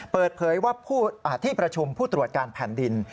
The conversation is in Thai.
เปิดเพยยว่าผู้อาทิตย์ประชุมผู้ตรวจการแผ่นดิน